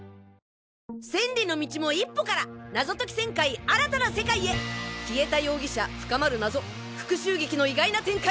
千里の道も一歩から謎解き１０００回新たな世界へ消えた容疑者深まる謎復讐劇の意外な展開